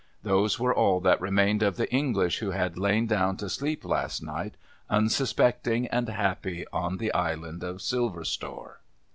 Those were all that remained of the English who had lain down to sleep last night, unsuspecting and happy, on the Island of Silver Store.